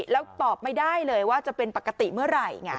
แล้วตอบไม่ได้เลยว่าจะเป็นปกติเมื่อไหร่